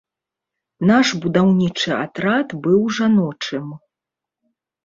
Наш будаўнічы атрад быў жаночым.